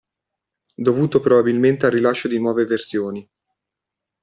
Dovuto probabilmente al rilascio di nuove versioni.